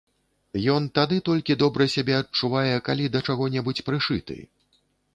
Ён тады толькі добра сябе адчувае, калі да чаго-небудзь прышыты.